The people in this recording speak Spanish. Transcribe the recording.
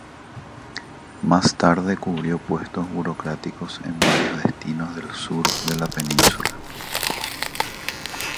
Más tarde cubrió puestos burocráticos en varios destinos del sur de la Península.